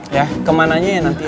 ya kemananya ya nanti